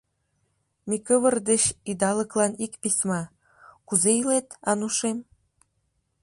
Микывыр деч идалыклан ик письма: «Кузе илет, Анушем?